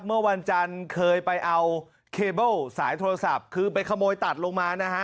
เมื่อวันจันทร์เคยไปเอาเคเบิ้ลสายโทรศัพท์คือไปขโมยตัดลงมานะฮะ